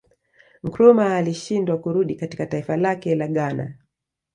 Nkrumah alishindwa kurudi katika taifa lake la Ghana